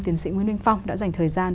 tiến sĩ nguyễn minh phong đã dành thời gian